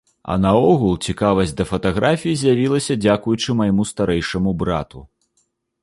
А наогул, цікавасць да фатаграфіі з'явілася дзякуючы майму старэйшаму брату.